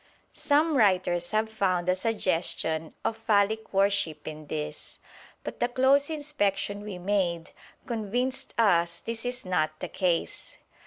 Some writers have found a suggestion of phallic worship in these, but the close inspection we made convinced us this is not the case.